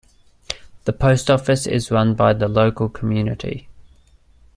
The Post Office is run by the local community.